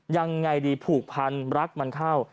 ยังไงดีผูกพันรักมันเข้า